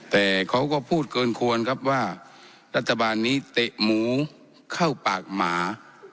แต่เขาก็พูดเกินควรครับว่ารัฐบาลนี้เตะหมูเข้าปากหมา